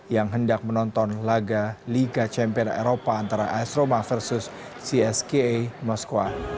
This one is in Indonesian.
yang hendak menonton laga liga champion eropa antara estroma versus cska moskwa